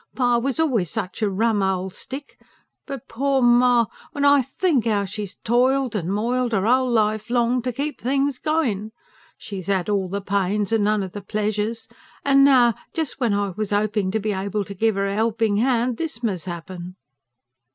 "Pa was always such a rum old stick. But poor ma ... when I THINK how she's toiled and moiled 'er whole life long, to keep things going. She's 'ad all the pains and none of the pleasures; and now, just when I was hoping to be able to give 'er a helping hand, THIS must happen."